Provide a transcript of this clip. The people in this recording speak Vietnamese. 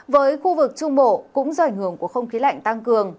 với khu vực trung bộ cũng do ảnh hưởng của không khí lạnh tăng cường